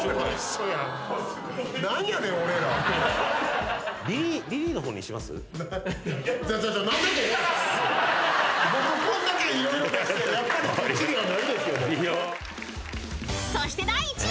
［そして第１位は？］